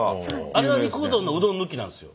あれは肉うどんのうどん抜きなんですよ。